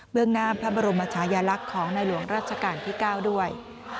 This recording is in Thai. เรื่องหน้าพระบรมชายลักษณ์ของในหลวงราชการที่๙ด้วย